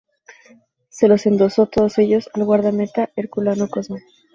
Se los endosó todos ellos al guardameta herculano Cosme.